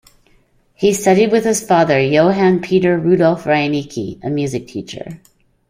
He studied with his father, Johann Peter Rudolph Reinecke, a music teacher.